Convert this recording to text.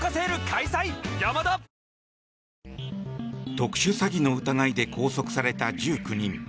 特殊詐欺の疑いで拘束された１９人。